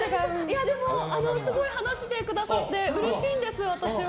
でもすごい話してくださってうれしいんです、私は。